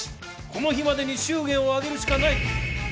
この日までに祝言を挙げるしかない！